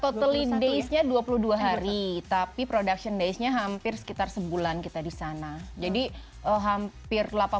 totally daysnya dua puluh dua hari tapi production daysnya hampir sekitar sebulan kita di sana jadi hampir